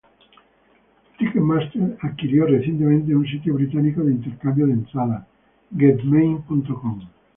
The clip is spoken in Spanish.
Ticketmaster adquirió recientemente un sitio británico de intercambio de entradas, Getmein.com.